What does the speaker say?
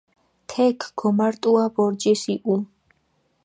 თექ გომარტუა ბორჯის იჸუ.